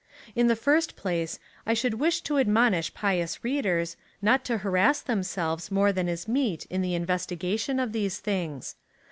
In the first place, I should wish to admonish^ pious readers, not to ha rass themselves more than is meet in the investigation of these things.